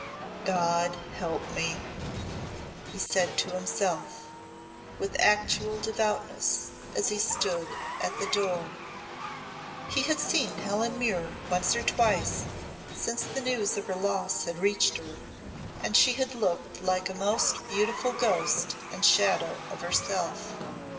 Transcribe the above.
"God help me!" he said to himself with actual devoutness as he stood at the door. He had seen Helen Muir once or twice since the news of her loss had reached her and she had looked like a most beautiful ghost and shadow of herself.